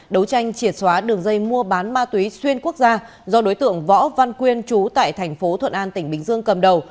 đấu tranh triệt xóa đường dây mua bán ma túy xuyên quốc gia do đối tượng võ văn quyên trú tại thành phố thuận an tỉnh bình dương cầm đầu